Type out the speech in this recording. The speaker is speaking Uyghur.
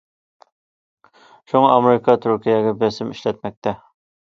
شۇڭا ئامېرىكا تۈركىيەگە بېسىم ئىشلەتمەكتە.